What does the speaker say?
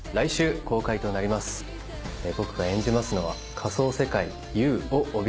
僕が演じますのは。